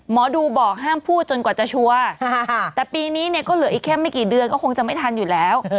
หมอดูบอกห้ามพูดจนกว่าจะชัวร์แต่ปีนี้เนี่ยก็เหลืออีกแค่ไม่กี่เดือนก็คงจะไม่ทันอยู่แล้ว